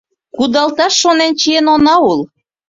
Кудалташ шонен чиен она ул.